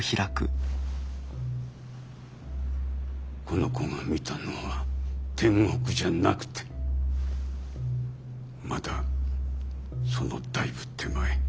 この子が見たのは天国じゃなくてまだそのだいぶ手前。